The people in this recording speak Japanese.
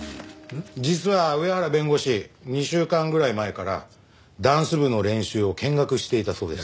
実は上原弁護士２週間ぐらい前からダンス部の練習を見学していたそうです。